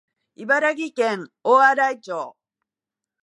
茨城県大洗町